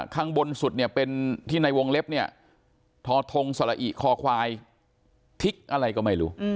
ข้างบนสุดเนี่ยเป็นที่ในวงเล็บเนี่ยทอทงสละอิคอควายพลิกอะไรก็ไม่รู้